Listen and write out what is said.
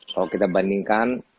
kalau kita bandingkan